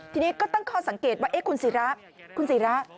ทีนี้ก็ตั้งคอสังเกตว่าคุณศิรา